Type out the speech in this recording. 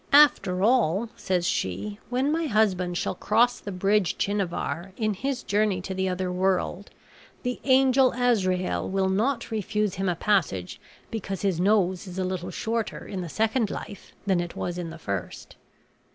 "After all," says she, "when my husband shall cross the bridge Tchinavar, in his journey to the other world, the angel Asrael will not refuse him a passage because his nose is a little shorter in the second life than it was in the first."